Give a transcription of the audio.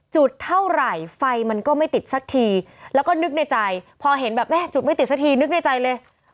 จุดเท่าไหร่ไฟมันก็ไม่ติดสักทีแล้วก็นึกในใจพอเห็นแบบแม่จุดไม่ติดสักทีนึกในใจเลย